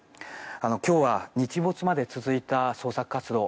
今日は、日没まで続いた捜索活動